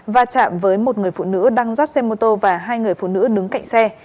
và chạm với một người phụ nữ đang rắt xe mô tô và hai người phụ nữ đứng cạnh xe